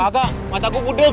enggak mataku budeg